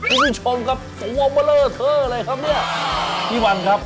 โอ้โฮช้อนครับโหมาเล่อเธออะไรครับเนี่ยพี่วันครับ